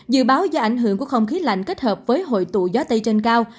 dự báo do ảnh hưởng của không khí lạnh kết hợp với hội tụ gió tây trên cao